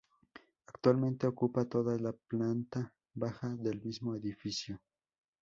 Actualmente, ocupa toda la planta baja del mismo edificio.